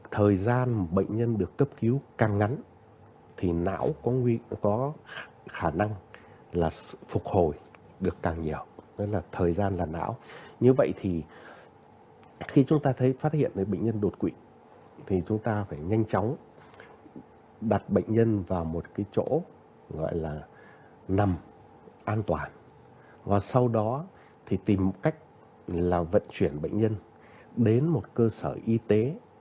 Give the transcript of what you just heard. thời gian bệnh nhân được cấp cứu càng ngắn thì não có nguy có khả năng là phục hồi được càng nhiều nên là thời gian là não như vậy thì khi chúng ta thấy phát hiện bệnh nhân đột quỵ thì chúng ta phải nhanh chóng đặt bệnh nhân vào một cái chỗ gọi là nằm an toàn và sau đó thì tìm cách là vận chuyển bệnh nhân đến một cơ sở y tế